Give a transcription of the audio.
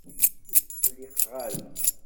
Ur tqelliq ara!